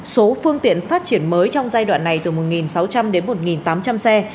số phương tiện phát triển mới trong giai đoạn này từ một sáu trăm linh đến một tám trăm linh xe